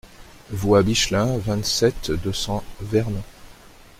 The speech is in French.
Voie Bichelin, vingt-sept, deux cents Vernon